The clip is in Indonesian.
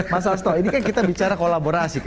mas hasto ini kan kita bicara kolaborasi